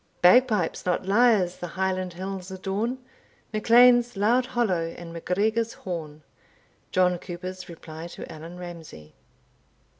Bagpipes, not lyres, the Highland hills adorn, MacLean's loud hollo, and MacGregor's horn. John Cooper's Reply to Allan Ramsay.